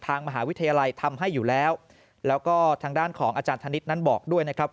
ทางมหาวิทยาลัยทำให้อยู่แล้วแล้วก็ทางด้านของอาจารย์ธนิษฐ์นั้นบอกด้วยนะครับ